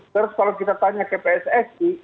terus kalau kita tanya ke pssi